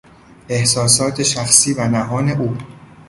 احساسات شخصی و نهان او